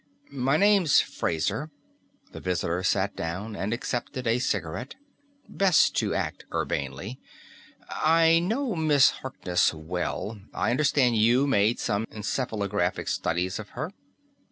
"My name's Fraser." The visitor sat down and accepted a cigarette. Best to act urbanely. "I know Miss Harkness well. I understand you made some encephalographic studies of her."